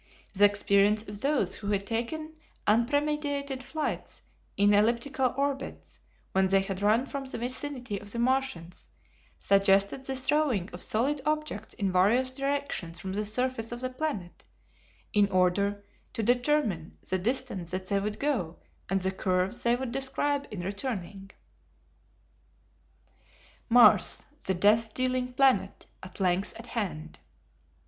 The experience of those who had taken unpremeditated flights in elliptical orbits when they had run from the vicinity of the Martians suggested the throwing of solid objects in various directions from the surface of the planet in order to determine the distance that they would go and the curves they would describe in returning. Mars, the Death Dealing Planet, at Length at Hand!